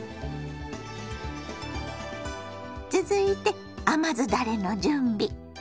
続いて甘酢だれの準備。